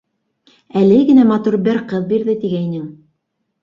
Әле генә матур бер ҡыҙ бирҙе тигәйнең...